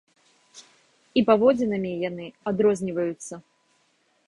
І паводзінамі яны адрозніваюцца.